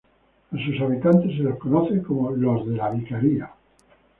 A sus habitantes se los conoce como "los de la vicaría"